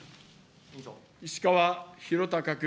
石川博崇君。